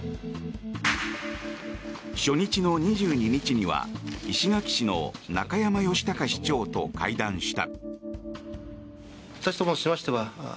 初日の２２日には石垣市の中山義隆市長と会談した。